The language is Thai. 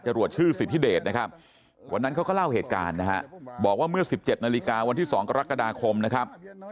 ชื่อสิทธิเดชนะครับวันนั้นเขาก็เล่าเหตุการณ์นะฮะบอกว่าเมื่อ๑๗นาฬิกาวันที่๒กรกฎาคมนะครับ